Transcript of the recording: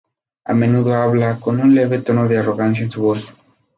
A menudo habla con un leve tono de arrogancia en su voz.